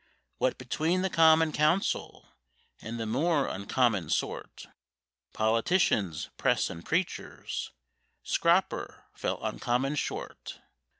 What between the Common Council, and the more uncommon sort, Politicians, Press, and preachers, Scroper fell uncommon short.